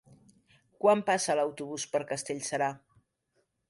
Quan passa l'autobús per Castellserà?